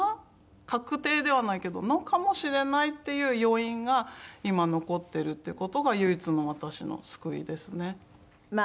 確定ではないけどのかもしれないっていう要因が今残ってるっていう事が唯一の私の救いですね。